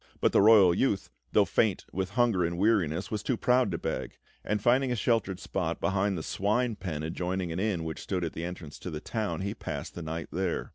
But the royal youth, though faint with hunger and weariness, was too proud to beg; and finding a sheltered spot behind the swine pen adjoining an inn which stood at the entrance to the town, he passed the night there.